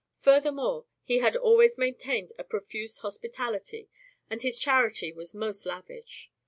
Furthermore, he had always maintained a profuse hospitality, and his charity was most lavish.